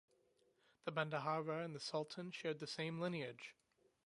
The bendahara and the sultan shared the same lineage.